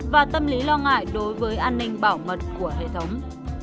và tâm lý lo ngại đối với an ninh bảo mật của hệ thống